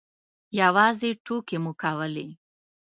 یوازې ټوکې مو کولې.